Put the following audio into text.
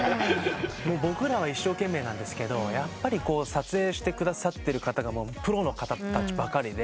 僕らは一生懸命なんですけどやっぱり撮影してくださってる方がプロの方たちばかりで。